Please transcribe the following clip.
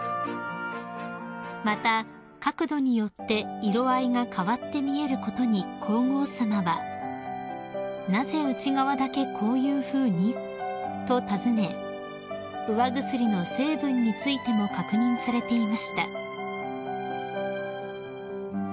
［また角度によって色合いが変わって見えることに皇后さまは「なぜ内側だけこういうふうに？」と尋ねうわぐすりの成分についても確認されていました］